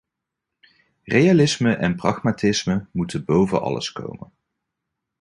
Realisme en pragmatisme moeten boven alles komen.